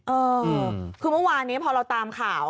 เออคือเมื่อวานนี้พอเราตามข่าว